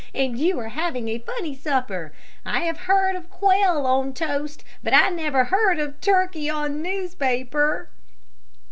And you are having a funny supper. I have heard of quail on toast, but I never heard of turkey on newspaper."